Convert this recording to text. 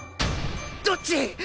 どっち！？